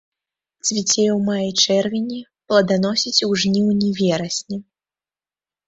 Цвіце ў маі-чэрвені, пладаносіць у жніўні-верасні.